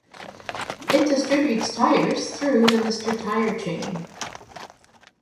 It distributes tires through the Mr. Tire chain.